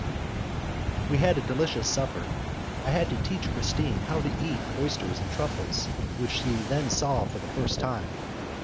We had a delicious supper. I had to teach Christine how to eat oysters and truffles, which she then saw for the first time.